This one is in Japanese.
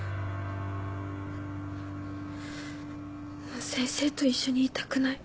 もう先生と一緒にいたくない。